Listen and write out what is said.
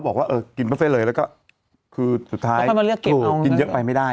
บอกว่าเออกินบุฟเฟ่เลยแล้วก็คือสุดท้ายถูกกินเยอะไปไม่ได้